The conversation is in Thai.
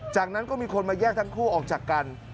จากนั้นก็มีคนมาแยกทั้งคู่ออกจากกัน